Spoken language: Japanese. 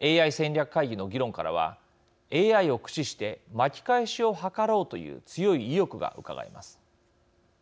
ＡＩ戦略会議の議論からはＡＩを駆使して巻き返しを図ろうという強い意欲がうかがえます。